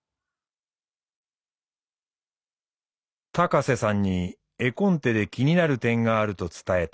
高瀬さんに絵コンテで気になる点があると伝えた。